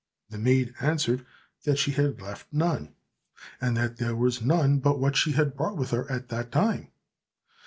The maid answered that she had left none, and that there was none but what she had brought with her at that time.